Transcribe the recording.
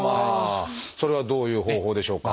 それはどういう方法でしょうか？